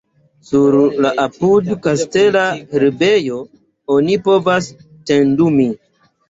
Sur la apud-kastela herbejo oni povas tendumi.